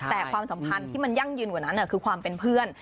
แต่ความสัมพันธ์ที่มันยั่งยืนกว่านั้นคือความเป็นเพื่อน